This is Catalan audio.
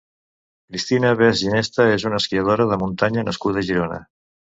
Cristina Bes Ginesta és una esquiadora de muntanya nascuda a Girona.